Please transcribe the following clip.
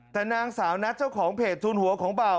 แต่นางสาวนัทเจ้าของเพจทูลหัวของเบา